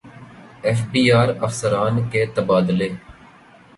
F B R افسران کے تبادلے